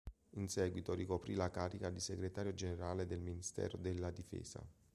In seguito ricoprì la carica di Segretario generale del Ministero della Difesa.